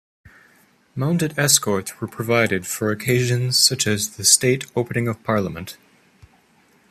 Mounted Escorts were provided for occasions such as the state opening of Parliament.